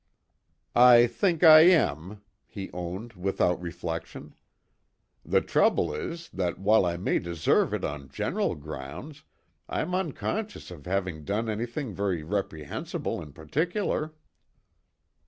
"I think I am," he owned without reflection. "The trouble is, that while I may deserve it on general grounds, I'm unconscious of having done anything very reprehensible in particular."